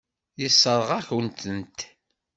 Yessṛeɣ-ak-tent.